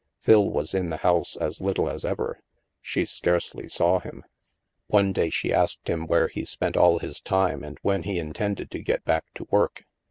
Phil was in the house as little as ever. She scarcely saw him. One day she asked him where he spent all his time, and when he intended to get back to work.